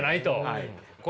はい。